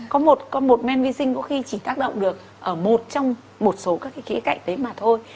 có một men vi sinh có khi chỉ tác động được một trong một số các cái kỹ cạnh đấy mà thôi